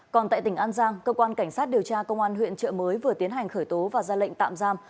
còn tại tỉnh an giang cơ quan cảnh sát điều tra công an huyện trợ mới vừa tiến hành khởi tố và ra lệnh tạm giam